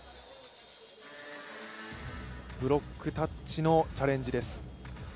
ブロックタッチのチャレンジです。